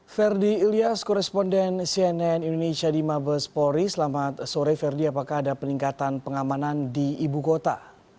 ferdi ilyas koresponden cnn indonesia di mabes polri selamat sore ferdi apakah ada peningkatan pengamanan di ibu kota